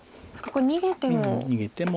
これ逃げても。